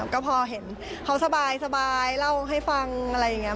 ก็พอเห็นเขาสบายเล่าให้ฟังอะไรอย่างนี้